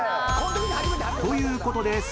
ということで］